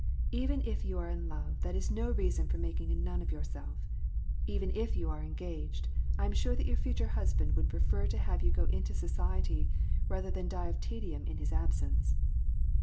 Even if you are in love, that is no reason for making a nun of yourself. Even if you are engaged, I am sure that your future husband would prefer to have you go into society, rather than die of tedium in his absence."